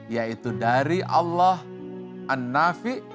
yaitu dari allah an nafi dan dari allah an nafi